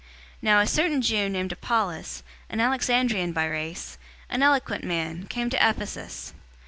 018:024 Now a certain Jew named Apollos, an Alexandrian by race, an eloquent man, came to Ephesus.